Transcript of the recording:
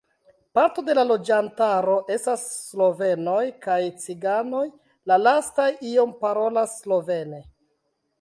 Parto de la loĝantaro estas slovenoj kaj ciganoj, la lastaj iom parolas slovene.